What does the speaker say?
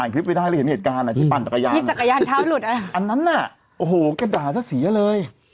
อันนั้นน่ะโอ้โหกระดาษะเสียเลย